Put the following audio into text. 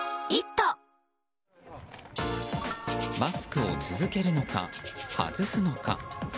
マスクを続けるのか外すのか。